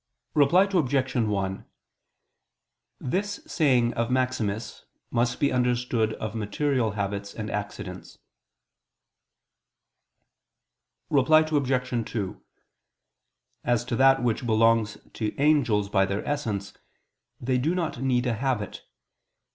Reply Obj. 1: This saying of Maximus must be understood of material habits and accidents. Reply Obj. 2: As to that which belongs to angels by their essence, they do not need a habit.